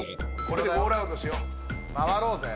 回ろうぜ。